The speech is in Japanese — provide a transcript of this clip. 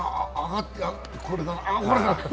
あっ、これか！